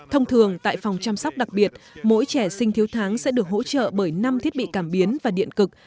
thông thường tại phòng chăm sóc đặc biệt mỗi trẻ sinh thiếu tháng sẽ được hỗ trợ bởi năm thiết bị cảm biến và điện cực